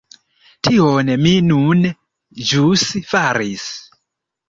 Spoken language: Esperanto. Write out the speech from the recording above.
Tion mi nun ĵus faris.